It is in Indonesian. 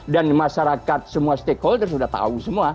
dan masyarakat semua stakeholder sudah tahu semua